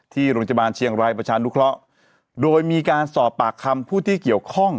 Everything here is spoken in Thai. ที่โรงพยาบาลเชียงรายประชานุเคราะห์โดยมีการสอบปากคำผู้ที่เกี่ยวข้อง